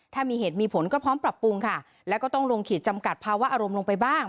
ถ้ามีเหตุมีผลก็พร้อมปรับปรุงค่ะแล้วก็ต้องลงขีดจำกัดภาวะอารมณ์ลงไปบ้าง